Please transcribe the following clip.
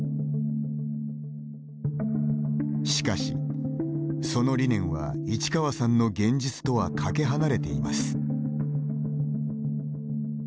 しかし、その理念は市川さんの現実とはかけ離れています。